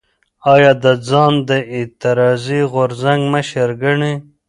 ایا ده ځان د اعتراضي غورځنګ مشر ګڼي؟